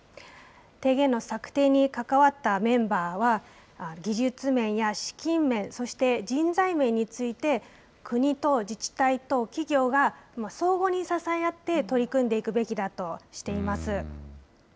提言の策定に関わったメンバーは、技術面や資金面、そして、人材面について、国と自治体と企業が相互に支え合って取り組んでいくべきだとしています。